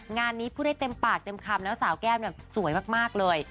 งานนี้พูดได้เต็มปากเต็มคำแล้วสาวแก้มเนี่ยสวยมากเลย